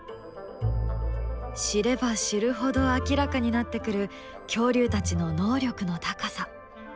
知れば知るほど明らかになってくる恐竜たちの能力の高さ。